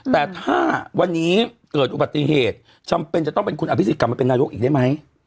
แต่ถ้าวันนี้เกิดอุบัติเหตุจำเป็นจะต้องเป็นคุณอภิษฎกลับมาเป็นนายกอีกได้ไหม